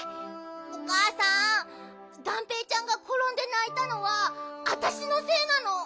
おかあさんがんぺーちゃんがころんでないたのはあたしのせいなの。